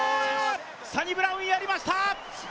サニブラウン、やりました。